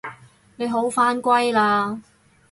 你好返歸喇